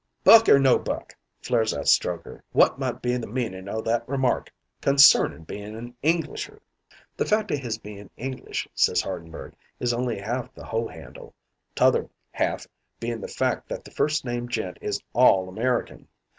"'Buck or no buck,' flares out Strokher, 'wot might be the meanin' o' that remark consernin' being a Englisher?' "'The fact o' his bein' English,' says Hardenberg, 'is only half the hoe handle. 'Tother half being the fact that the first named gent is all American.